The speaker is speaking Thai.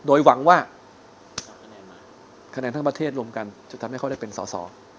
โดยหวังว่าคะแนนทั้งประเทศรวมกันจะทำให้เขาได้เป็นสอสอ